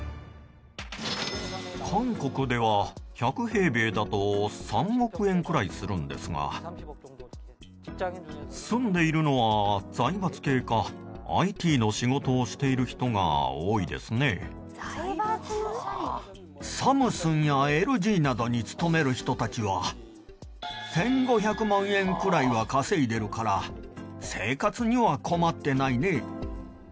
韓国では１００平米だと３億円くらいするんですが住んでいるのはサムスンやＬＧなどに勤める人たちは１５００万円くらいは稼いでるから生活には困ってないね。